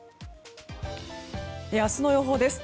明日の予報です。